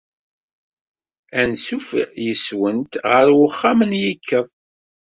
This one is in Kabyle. Anṣuf yes-went ɣer uxxam n yikkeḍ.